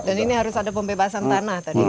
dan ini harus ada pembebasan tanah tadi kan